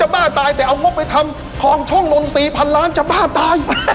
เราไม่ใช่แต่เอางบไปทำพ่องช่องรนสี่พันล้านจะบ้าตาย